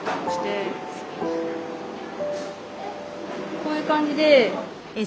こういう感じで。